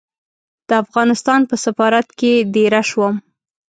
د افغانستان په سفارت کې دېره شوم.